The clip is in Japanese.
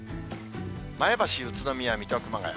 前橋、宇都宮、水戸、熊谷。